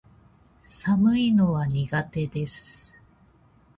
寒いのは苦手です